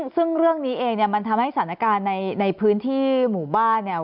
ซึ่งเรื่องนี้เองเนี่ยมันทำให้สถานการณ์ในพื้นที่หมู่บ้านเนี่ย